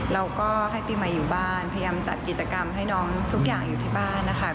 เราก็ให้ปีใหม่อยู่บ้านพยายามจัดกิจกรรมให้น้องทุกอย่างอยู่ที่บ้านนะคะ